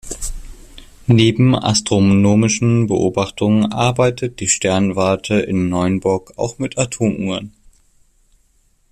Neben astronomischen Beobachtungen arbeitet die Sternwarte in Neuenburg auch mit Atomuhren.